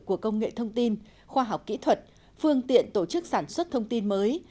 của công nghệ thông tin khoa học kỹ thuật phương tiện tổ chức sản xuất thông tin mới